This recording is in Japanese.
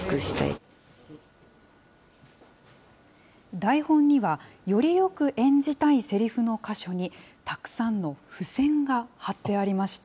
台本にはよりよく演じたいせりふの箇所に、たくさんの付箋が貼ってありました。